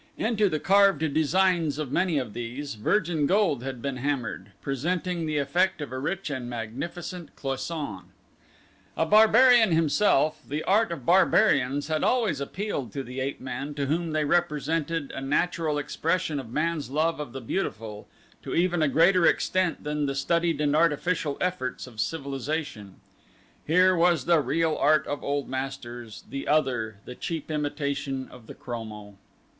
Into the carved designs of many of these virgin gold had been hammered, presenting the effect of a rich and magnificent cloisonne. A barbarian himself the art of barbarians had always appealed to the ape man to whom they represented a natural expression of man's love of the beautiful to even a greater extent than the studied and artificial efforts of civilization. Here was the real art of old masters, the other the cheap imitation of the chromo.